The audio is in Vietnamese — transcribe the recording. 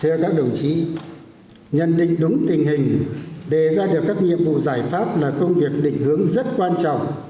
thưa các đồng chí nhận định đúng tình hình đề ra được các nhiệm vụ giải pháp là công việc định hướng rất quan trọng